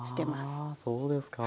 はあそうですか。